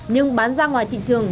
nhưng bán ra ngoài thị trường